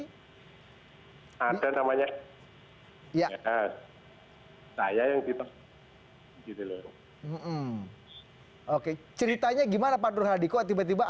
hai ada namanya ya saya yang kita gitu oke ceritanya gimana pak nur hadi kok tiba tiba